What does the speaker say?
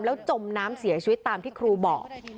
แล้วจมน้ำเสียชีวิตตามที่ครูบอก